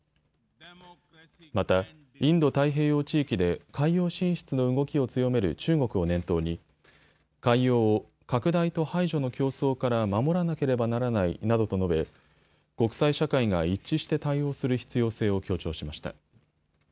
また、インド太平洋地域で海洋進出の動きを強める中国を念頭に海洋を拡大と排除の競争から守らなければならないなどと述べ国際社会が一致して対応する必要性を強調しました。